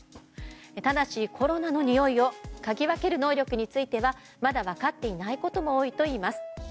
ただし、コロナのにおいをかぎ分ける能力についてはまだ分かっていないことも多いといいます。